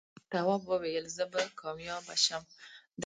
تواب وويل: زه به کامیابه شم.